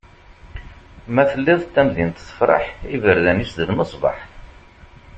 Ma telliḍ tamdint tefreḥ, iberdan-is d lmesbaḥ.